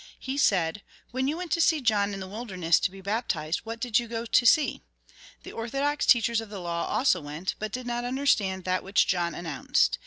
He said :" When you went to John in the wilderness to be baptized, what did you go to see ? The orthodox teachers of the law also went, but did not understand that which John announced.